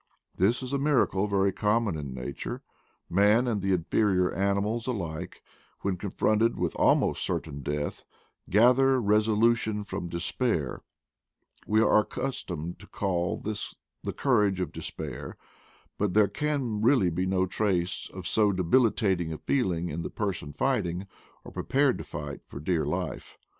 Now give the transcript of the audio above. This is a miracle very common in nature; man and the inferior animals alike, when con fronted with almost certain death " gather reso lution from despair/ ' We are accustomed to call this the " courage of despair"; but there can really be no trace of so debilitating a feeling in the person fighting, or prepared to fight, for dear life.